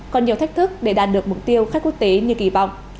còn nhiều thách thức để đạt được mục tiêu khách quốc tế như kỳ vọng